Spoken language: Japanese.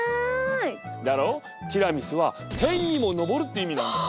ティラミスは「天にものぼる」っていう意味なんだよ。